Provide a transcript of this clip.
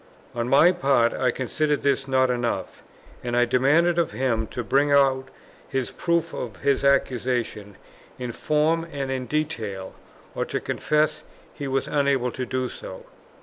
On my part I considered this not enough; and I demanded of him to bring out his proof of his accusation in form and in detail, or to confess he was unable to do so.